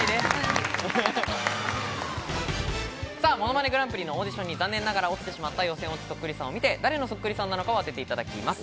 『ものまねグランプリ』のオーディションに残念ながら落ちてしまった予選落ちそっくりさんを見て誰のそっくりさんなのかを当てていただきます。